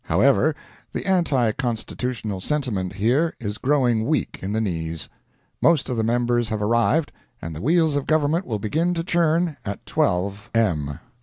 However the anti Constitutional sentiment here is growing weak in the knees. Most of the members have arrived, and the wheels of government will begin to churn at 12 M.